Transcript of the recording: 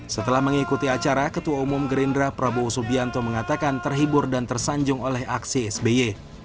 setelah mengikuti acara ketua umum gerindra prabowo subianto mengatakan terhibur dan tersanjung oleh aksi sby